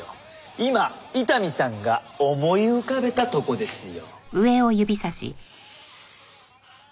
今伊丹さんが思い浮かべたとこですよ。